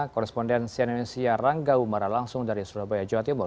korrespondensi indonesia rangga umaralangsung dari surabaya jawa timur